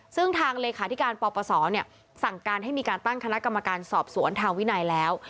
ซึ่งทางเลขาธิการปปศสั่งการให้มีการตั้งคณะกรรมการสอบสวนทางวินัยแล้ว